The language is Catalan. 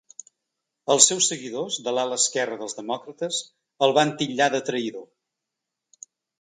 Els seus seguidors, de l’ala esquerra dels demòcrates, el van titllar de traïdor.